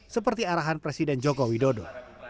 seperti arahan presiden joko widodo